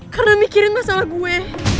karena mikirin masalah gue